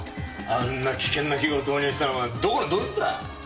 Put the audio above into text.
あんな危険な器具を導入したのはどこのどいつだ？